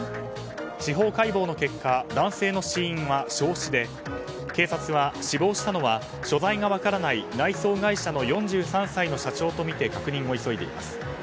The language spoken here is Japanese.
司法解剖の結果男性の死因は焼死で警察は、死亡したのは所在が分からない内装会社の４３歳の社長とみて確認を急いでいます。